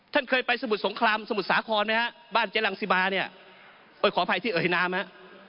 ท่านเคยไปสมุทรสงครามสมุทรสาครไหมฮะบ้านเจ๊รังสิมาเนี่ยเอ้ยขออภัยที่เอ่ยน้ำฮะ